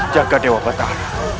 jaga dewa batal